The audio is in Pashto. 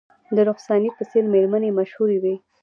د رخسانې په څیر میرمنې مشهورې وې